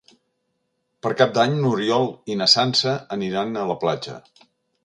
Per Cap d'Any n'Oriol i na Sança aniran a la platja.